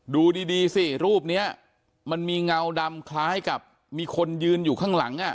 ดูดีสิรูปนี้มันมีเงาดำคล้ายกับมีคนยืนอยู่ข้างหลัง